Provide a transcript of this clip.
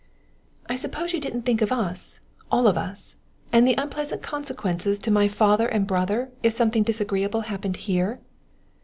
"I suppose you didn't think of us all of us, and the unpleasant consequences to my father and brother if something disagreeable happened here!"